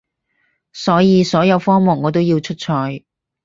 所以所有科目我都要出賽